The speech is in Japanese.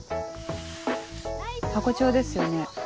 ハコ長ですよね。